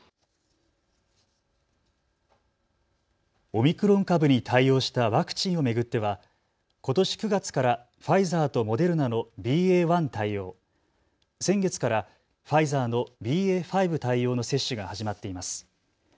オミクロン株に対応したワクチンを巡ってはことし９月からファイザーとモデルナのＢＡ．１対応、先月からファイザーのＢＡ．５対応の接種が始まっています。